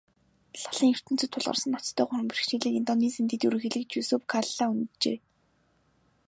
Лалын ертөнцөд тулгарсан ноцтой гурван бэрхшээлийг Индонезийн дэд ерөнхийлөгч Юсуф Калла хөнджээ.